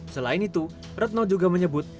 selain itu retno juga menyebut